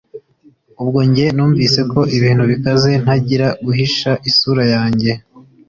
ubwo njye numvise ko ibintu bikaze ntangira guhisha isura yanjye